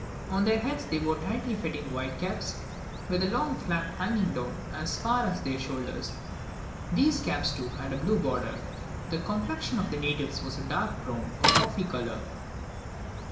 On their heads they wore tightly fitting white caps, with a long flap hanging down as far as their shoulders. These caps, too, had a blue border. The complexion of the natives was a dark brown or coffee colour.